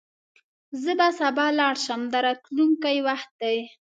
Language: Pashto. زه به سبا لاړ شم – دا راتلونکی وخت دی.